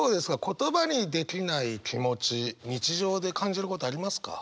言葉にできない気持ち日常で感じることありますか？